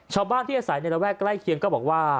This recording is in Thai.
ชาวบ้านที่อาศัยในระแวกใกล้เคียงก็บอกว่า